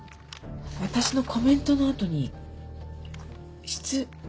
私のコメントの後に質質。